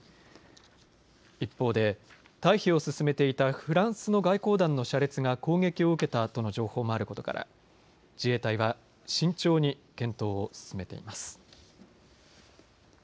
一方で退避を進めていたフランスの外交団の車列が攻撃を受けたとの情報もあることから自衛隊は慎重に検討を進めています。